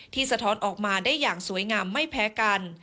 สะท้อนออกมาได้อย่างสวยงามไม่แพ้กัน